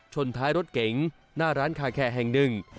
ท้ายรถเก๋งหน้าร้านคาแคแห่งหนึ่ง